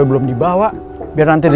sampai jumpa di video selanjutnya